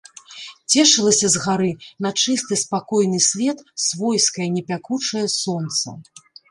Цешылася з гары на чысты, спакойны свет свойскае, не пякучае сонца.